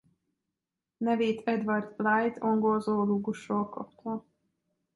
Nevét Edward Blyth angol zoológusról kapta.